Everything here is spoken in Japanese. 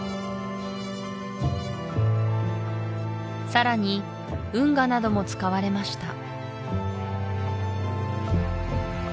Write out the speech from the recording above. さらに運河なども使われました